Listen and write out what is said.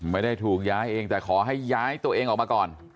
ไม่ได้ถูกย้ายเองแต่ขอให้ย้ายตัวเองออกมาก่อน